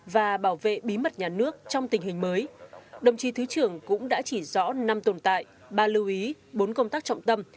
và bảo vệ bí mật nhà nước trong tình hình mới đồng chí thứ trưởng cũng đã chỉ rõ năm tồn tại ba lưu ý bốn công tác trọng tâm